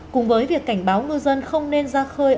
cùng với việc cảnh báo ngư dân không nên ra khơi